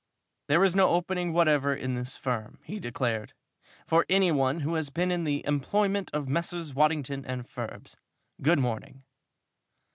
"There is no opening whatever in this firm," he declared, "for any one who has been in the employment of Messrs. Waddington & Forbes. Good morning!"